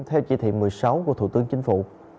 theo chỉ thị một mươi sáu của thủ tướng chính phủ